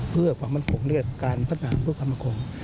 เพื่อความมั่นคงในการพัฒนาพฤคราบความมั่นคง